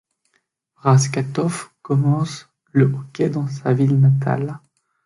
Baškatovs commence le hockey dans sa ville natale.